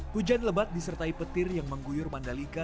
hujan lebat disertai petir yang mengguyur mandalika